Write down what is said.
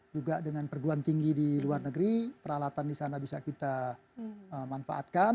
juga dengan perguruan tinggi di luar negeri peralatan di sana bisa kita manfaatkan